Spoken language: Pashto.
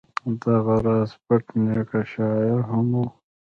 دغه راز بېټ نیکه شاعر هم و.